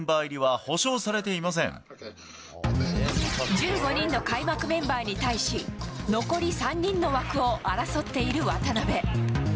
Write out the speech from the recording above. １５人の開幕メンバーに対し残り３人の枠を争っている渡邊。